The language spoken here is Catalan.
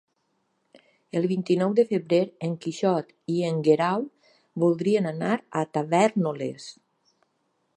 El vint-i-nou de febrer en Quixot i en Guerau voldrien anar a Tavèrnoles.